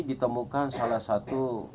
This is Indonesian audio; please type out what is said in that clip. ditemukan salah satu